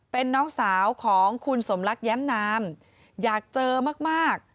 เป็นน้องสาวของคุณสมรักแย้มนามอยากเจอมาก